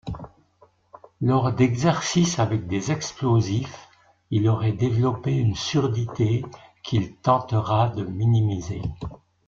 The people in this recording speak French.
Lors d'exercices avec des explosifs, il aurait développé une surdité qu'il tentera de minimiser.